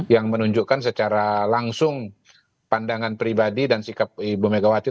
yang menunjukkan secara langsung pandangan pribadi dan sikap ibu megawati